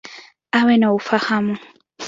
Awe na ufahamu.